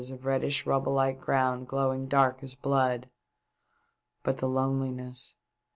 467 of reddish rubble like ground glowing dark as blood. But the loneliness!